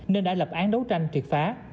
nên đã lập án đấu tranh triệt phá